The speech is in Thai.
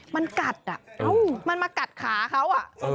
มันกัดมันมากัดขาเขา